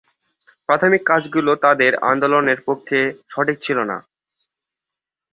প্রাথমিক কাজগুলো তাদের আন্দোলনের পক্ষে সঠিক ছিল না।